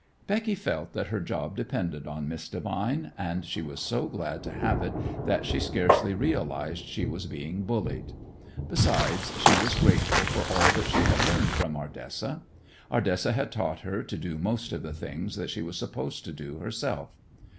Becky felt that her job depended on Miss Devine, and she was so glad to have it that she scarcely realized she was being bullied. Besides, she was grateful for all that she had learned from Ardessa; Ardessa had taught her to do most of the things that she was supposed to do herself.